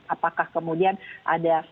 apakah kemudian ada